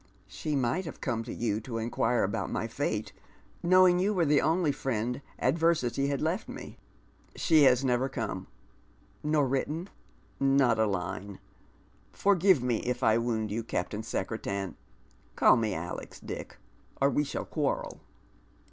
" She might have come to you to inquire about my fate, know ing you were the only fiiend adversity had left me." The WahJerei's RetuYn. U3 " She has never come." " Nor written ?" "Not a line. Forgive me if I wound you, Captam Secre tan " "Call me Alex, Dick, or we shall quarrel."